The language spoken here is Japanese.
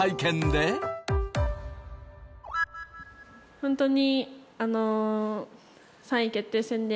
本当に。